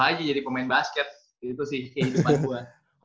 lagi jadi pemain basket itu sih kehidupan gue